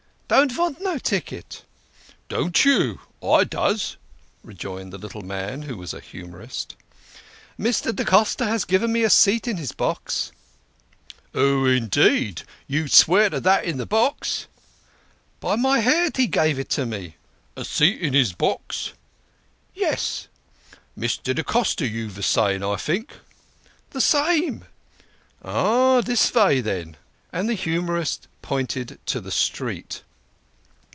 " Don't vant no ticket." " Don't you ? I does," rejoined the little man, who was a humorist. " Mr. da Costa has given me a seat in his box." 58 THE KING OF SCHNORRERS. " Oh, indeed ! You'd swear to that in the box? "" By my head. He gave it me." "A seat in his box?" "Yes." "Mr. da Costa, you vos a sayin', I think?" " The same." "Ah ! this vay, then !" And the humorist pointed to the street.